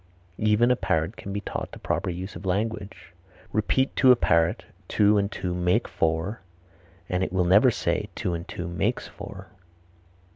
Even a parrot can be taught the proper use of language. Repeat to a parrot. "Two and two make four" and it never will say "two and two makes four."